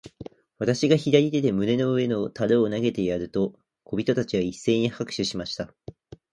私が左手で胸の上の樽を投げてやると、小人たちは一せいに拍手しました。